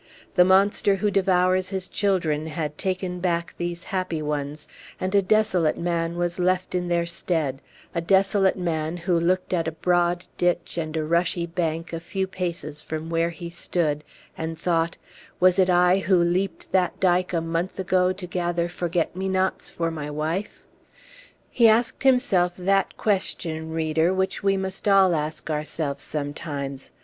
The monster who devours his children had taken back these happy ones, and a desolate man was left in their stead a desolate man, who looked at a broad ditch and a rushy bank a few paces from where he stood, and thought, "Was it I who leaped that dike a month ago to gather forget me nots for my wife?" He asked himself that question, reader, which we must all ask ourselves sometimes.